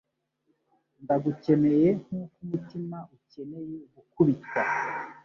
Ndagukeneye nkuko umutima ukeneye gukubitwa